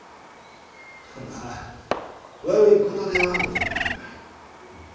まあ悪いことではござらんが。